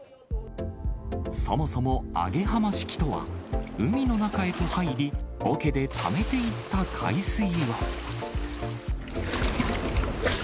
そもそも、揚浜式とは、海の中へと入り、おけでためていった海水を。